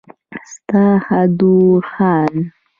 ستا خدوخال